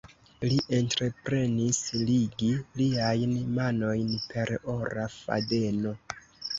Li entreprenis ligi liajn manojn per ora fadeno.